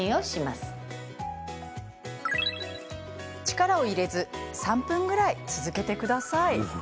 力を入れず３分ぐらい続けてください。